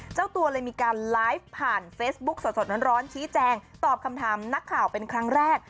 เจ้าตัวเลยมีการไลฟ์ผ่านเฟซบุ๊คสดร้อนชี้แจงตอบคำถามนักข่าวเป็นครั้งแรก